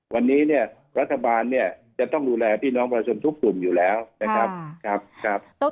วันนี้รัฐบาลจะต้องดูแลพี่น้องประชุมทุกกลุ่มอยู่แล้วนะครับ